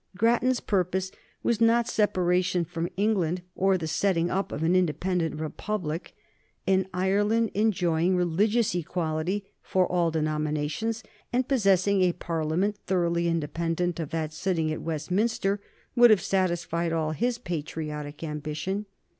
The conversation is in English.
Grattan's purpose was not separation from England or the setting up of an independent republic. An Ireland enjoying religious equality for all denominations and possessing a Parliament thoroughly independent of that sitting at Westminster would have satisfied all his patriotic ambition.